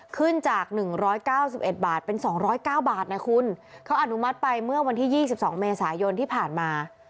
เขาอนุมัติไปเมื่อวันที่๒๒เมษายนที่ผ่านมา